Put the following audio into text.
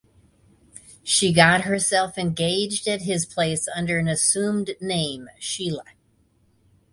She got herself engaged at his place under an assumed name Sheela.